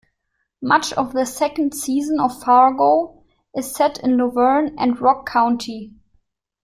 Much of the second season of "Fargo" is set in Luverne and Rock County.